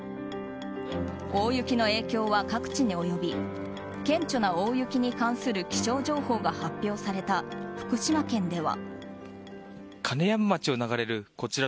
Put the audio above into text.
大雪の影響は各地に及び顕著な大雪に関する気象情報が発表された福島県では。